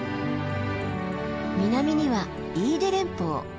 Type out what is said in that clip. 南には飯豊連峰。